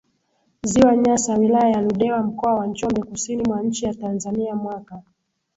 Ziwa Nyasa wilaya ya Ludewa Mkoa wa Njombe kusini mwa nchi ya TanzaniaMwaka